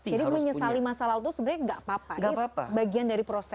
jadi menyesali masa lalu itu tidak apa apa